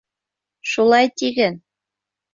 Шулай тиген.